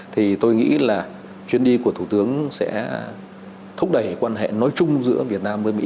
thì tôi nghĩ là chuyến đi của thủ tướng sẽ thúc đẩy quan hệ nói chung giữa việt nam với mỹ